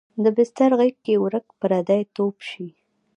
د بستر غیږ کې ورک پردی توب شي